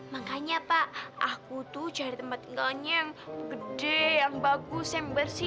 makanya pak aku tuh cari tempat tinggalnya yang gede yang bagus yang bersih